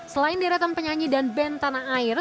selain di retem penyanyi dan band tanah air